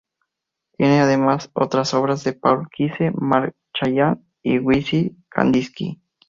Tiene además otras obras de Paul Klee, Marc Chagall y Wassily Kandinsky